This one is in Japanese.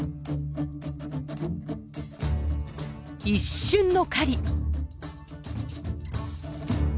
一瞬の狩り！